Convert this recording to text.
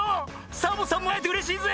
サボさんもあえてうれしいぜ！